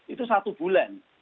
itu satu bulan